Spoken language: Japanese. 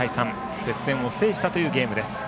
接戦を制したというゲームです。